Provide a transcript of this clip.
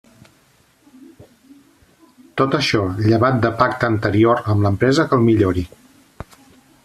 Tot això llevat de pacte anterior amb l'empresa que el millori.